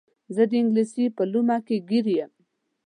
زه د انګلیس په لومه کې ګیر یم.